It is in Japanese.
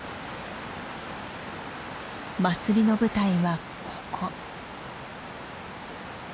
祭りの舞台はここ。